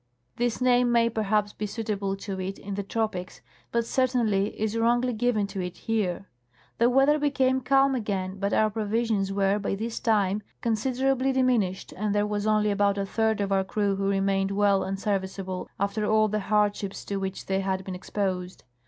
This name may, perhaps, be suitable to it in the tropics, but certainly is wrongly given to it here. The weather became calm again, but our provisions were by this time considerably diminished and there was only about a third of our crew who remained well and serviceable after all the hardships to which they had been exposed.